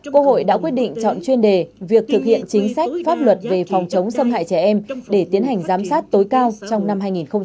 quốc hội đã quyết định chọn chuyên đề việc thực hiện chính sách pháp luật về phòng chống xâm hại trẻ em để tiến hành giám sát tối cao trong năm hai nghìn hai mươi